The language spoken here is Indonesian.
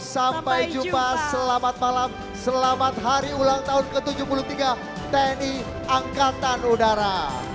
sampai jumpa selamat malam selamat hari ulang tahun ke tujuh puluh tiga tni angkatan udara